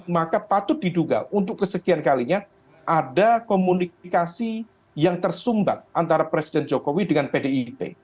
maka patut diduga untuk kesekian kalinya ada komunikasi yang tersumbat antara presiden jokowi dengan pdip